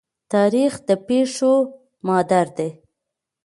تاریخ د پېښو مادر دی.